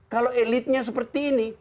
kalo elitnya seperti ini